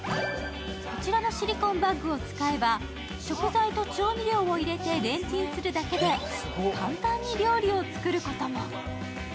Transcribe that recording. こちらのシリコンバッグを使えば食材と調味料を入れてレンチンするだけで簡単に料理を作ることも。